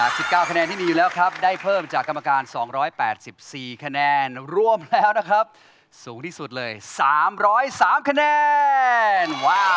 อันครับที่๑๙คะแนนที่มีแล้วครับได้เพิ่มจากกรรมการ๒๘๔คะแนนรวมแล้วนะครับสูงที่สุดเลย๓๐๓คะแนน